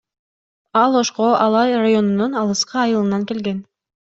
Ал Ошко Алай районунун алыскы айылынан келген.